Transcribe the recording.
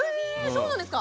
そうなんですか。